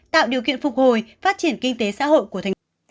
tạo điều kiện phục hồi phát triển kinh tế xã hội của thành